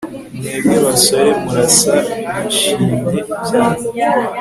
Mwebwe basore murasa nishimye cyane